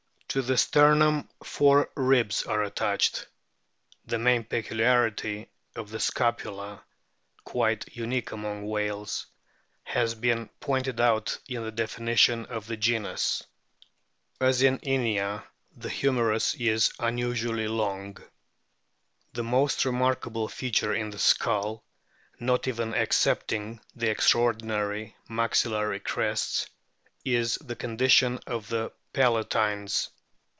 To the sternum four ribs are attached. The main peculiarity of the scapula (quite unique among whales) has been pointed out in the definition of the genus. As in Inia, the humerus is unusually long. The most ANOMALOUS DOLPHINS 295 remarkable feature in the skull, not even excepting the extraordinary maxillary crests, is the condition of the palatines.